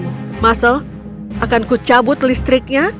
muscle akan ku cabut listriknya